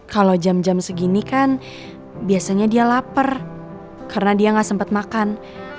kalau jam jam segini kan biasanya dia lapar karena dia nggak sempat makan